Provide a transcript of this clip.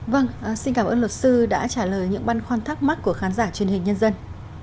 vâng xin cảm ơn luật sư đã trả lời những băn khoăn thắc mắc của khán giả truyền hình nhân dân